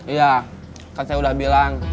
iya kan saya udah bilang